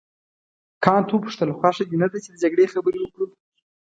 کانت وپوښتل خوښه دې نه ده چې د جګړې خبرې وکړو.